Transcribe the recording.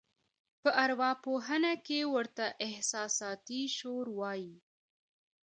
په اروا پوهنه کې ورته احساساتي شور وایي.